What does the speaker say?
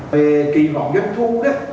về kỳ vọng doanh thu